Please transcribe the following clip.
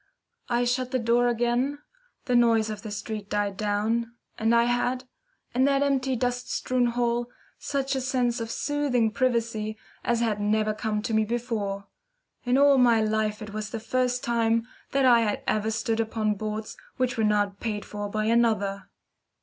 I shut the door again, the noise of the street died down, and I had, in that empty, dust strewn hall, such a sense of soothing privacy as had never come to me before. In all my life it was the first time that I had ever stood upon boards which were not paid for by another.